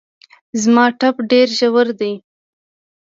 زما ټپ ډېر ژور دی